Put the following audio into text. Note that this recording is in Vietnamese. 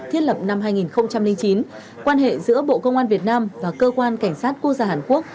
thiết lập năm hai nghìn chín quan hệ giữa bộ công an việt nam và cơ quan cảnh sát quốc gia hàn quốc